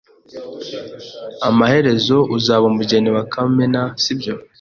Amaherezo uzaba umugeni wa Kamena, sibyo?